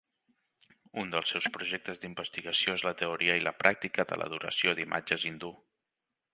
Un dels seus projectes d'investigació es la teoria i la pràctica de l'adoració d'imatges hindú.